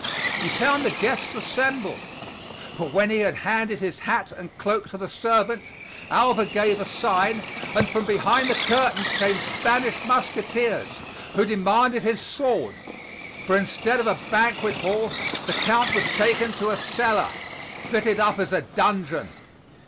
He found the guests assembled, but when he had handed his hat and cloak to the servant, Alva gave a sign, and from behind the curtains came Spanish musqueteers, who demanded his sword. For instead of a banquet hall, the Count was taken to a cellar, fitted up as a dungeon.